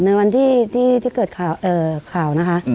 ในวันที่เกิดข่าวนะคะ